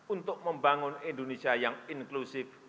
untuk membangun indonesia yang inklusif